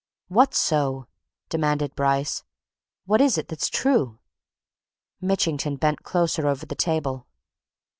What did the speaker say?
"What's so?" demanded Bryce. "What is it that's true?" Mitchington bent closer over the table.